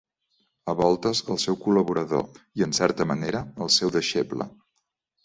A voltes el seu col·laborador i en certa manera el seu deixeble